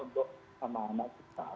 untuk anak anak kita